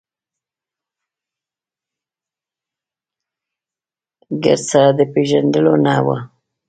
ګرد سره د پېژندلو نه و.